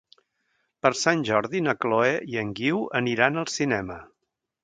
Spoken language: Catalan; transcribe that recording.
Per Sant Jordi na Chloé i en Guiu aniran al cinema.